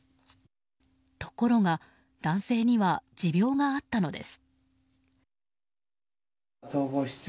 ところが、男性には持病があったのです。